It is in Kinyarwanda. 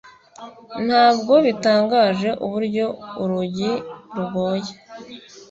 ntabwo bitangaje uburyo urugi rugoye,